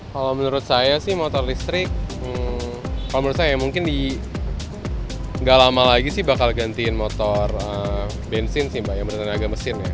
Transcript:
kalau menurut saya sih motor listrik kalau menurut saya mungkin di nggak lama lagi sih bakal gantiin motor bensin sih mbak yang bertenaga mesin ya